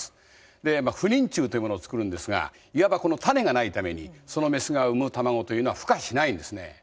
不妊虫というものをつくるんですがいわばこの種がないためにそのメスが産む卵というのはふ化しないんですね。